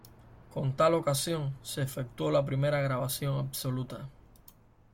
Con tal ocasión se efectuó la primera grabación absoluta.